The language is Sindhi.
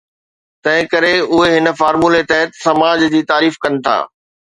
تنهن ڪري اهي هن فارمولي تحت سماج جي تعريف ڪن ٿا.